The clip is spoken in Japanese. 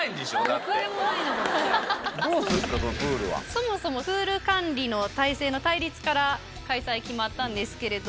そもそもプール管理の体制の対立から開催決まったんですけれども。